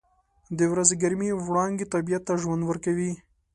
• د ورځې ګرمې وړانګې طبیعت ته ژوند ورکوي.